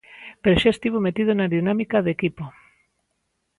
Pero xa estivo metido na dinámica de equipo.